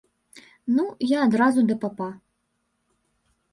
Ну, я адразу да папа.